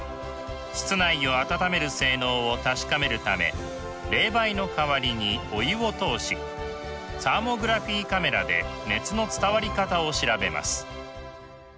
室内を暖める性能を確かめるため冷媒の代わりにお湯を通しサーモグラフィーカメラで熱の伝わり方を調べます。